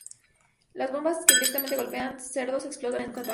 Las bombas que directamente golpean cerdos explotan en contacto.